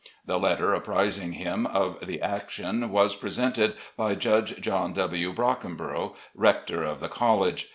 The letter apprising him of the action was pre sented by Judge John W. Brockeribrough, rector of the college.